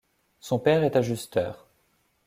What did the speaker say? Son père est ajusteur.